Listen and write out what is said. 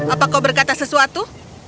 apa kau berkata sesuatu